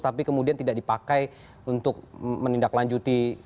tapi kemudian tidak dipakai untuk menindaklanjuti